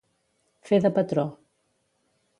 Fer de patró.